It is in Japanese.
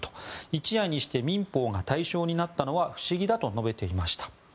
一夜にして民法が対象になったのは不思議だと述べていました。